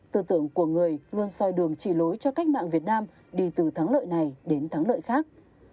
tư tưởng của người luôn soi đường chỉ lối cho cách mạng việt nam đi từ thắng lợi này đến thắng lợi khác